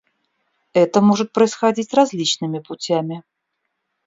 Это может происходить различными путями.